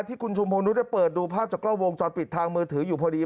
ที่คุณชุมพงนุษย์เปิดดูภาพจากกล้อวงจอดปิดทางมือถืออยู่พอดี